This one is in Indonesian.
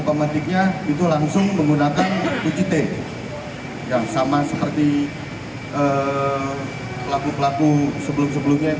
pemetiknya itu langsung menggunakan tujuh t yang sama seperti pelaku pelaku sebelum sebelumnya yang